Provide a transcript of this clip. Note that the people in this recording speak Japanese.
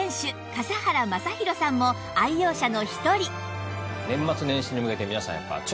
笠原将弘さんも愛用者の一人